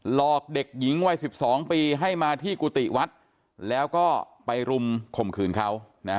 หลอกเด็กหญิงวัย๑๒ปีให้มาที่กุฏิวัดแล้วก็ไปรุมข่มขืนเขา